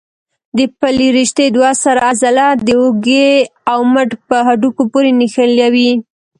د پلې رشتې دوه سره عضله د اوږې او مټ په هډوکو پورې نښلوي.